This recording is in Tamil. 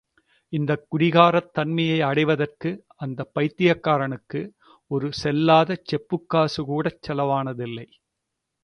இந்தக் குடிகாரத் தன்மையை அடைவதற்கு அந்தப் பைத்தியக்காரனுக்கு ஒரு செல்லாத செப்புக் காசுகூடச் செலவானதில்லை.